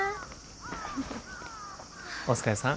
お疲れさん。